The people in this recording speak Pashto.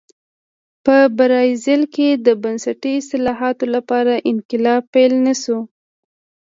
په برازیل کې د بنسټي اصلاحاتو لپاره انقلاب پیل نه شو.